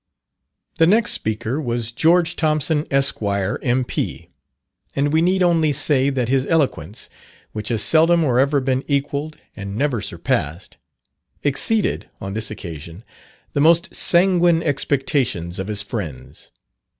The next speaker was George Thompson, Esq., M.P.; and we need only say that his eloquence, which has seldom or ever been equalled, and never surpassed, exceeded, on this occasion, the most sanguine expectations of his friends.